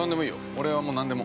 俺はもう何でも。